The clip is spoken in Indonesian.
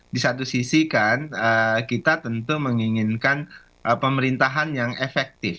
di satu sisi kan kita tentu menginginkan pemerintahan yang efektif